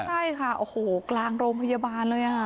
ใช่ค่ะโอ้โหกลางโรงพยาบาลเลย